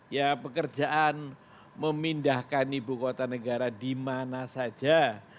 ya pekerjaan memindahkan ibu kota negara dimana saja